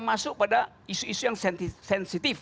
masuk pada isu isu yang sensitif